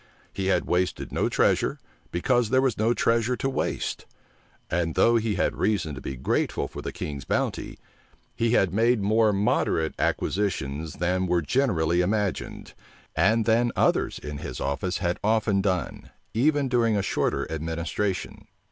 He had wasted no treasure, because there was no treasure to waste. And though he had reason to be grateful for the king's bounty, he had made more moderate acquisitions than were generally imagined, and than others in his office had often done, even during a shorter administration.